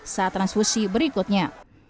saat transfusi berikutnya